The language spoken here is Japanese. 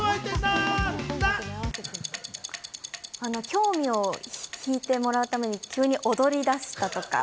興味を引いてもらうために急に踊りだしたとか？